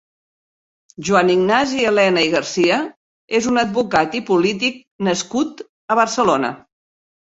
Joan Ignasi Elena i Garcia és un advocat i polític nascut a Barcelona.